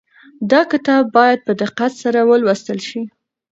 دا کتاب باید په دقت سره ولوستل شي.